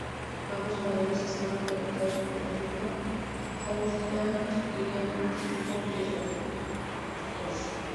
Ambos modelos estaban fabricados por la firma Hobourn-Eaton y eran del tipo bi-rotor.